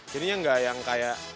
jadinya gak yang kayak